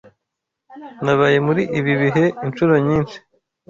Nabaye muri ibi bihe inshuro nyinshi.